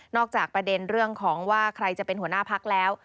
จากประเด็นเรื่องของว่าใครจะเป็นหัวหน้าพักแล้ว